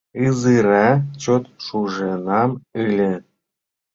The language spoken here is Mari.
— Ызыра чот шуженам ыле.